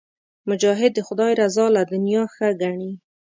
مجاهد د خدای رضا له دنیا ښه ګڼي.